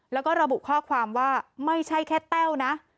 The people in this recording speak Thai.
แล้วก็ระบุข้อความว่าไม่ใช่แค่แต้วนะ